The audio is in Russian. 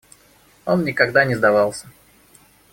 Он никогда не сдавался.